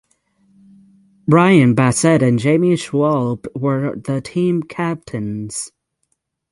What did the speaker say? Brian Bassett and Jamie Schwalbe were the team captains.